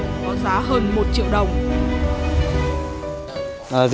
có giá hơn một triệu đồng